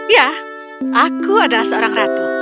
ya aku adalah seorang ratu